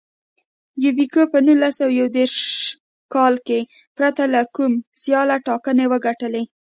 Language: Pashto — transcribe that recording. یوبیکو په نولس سوه یو دېرش کال کې پرته له کوم سیاله ټاکنې وګټلې.